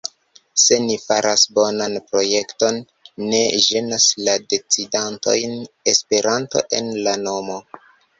Se ni faras bonan projekton, ne ĝenas la decidantojn Esperanto en la nomo.